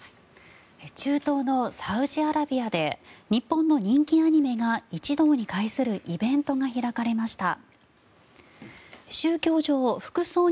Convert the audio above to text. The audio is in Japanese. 中東のサウジアラビアで日本の人気アニメが一堂に会するイベントが開かれました。